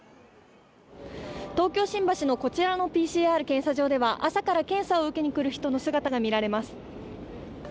東京・新橋のこちらのＰＣＲ検査場では検査を受けに来る人の姿が見られます。